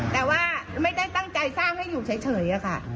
แต่ว่าไม่ได้ตั้งใจสร้างให้อยู่เฉยอะค่ะ